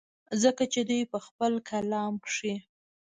ځکه چې دوي پۀ خپل کلام کښې